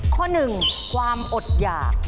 ข้อหนึ่งความอดหยาก